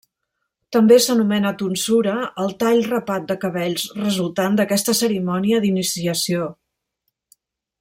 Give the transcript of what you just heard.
També s'anomena tonsura el tall rapat de cabells resultant d'aquesta cerimònia d'iniciació.